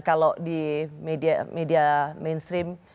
kalau di media mainstream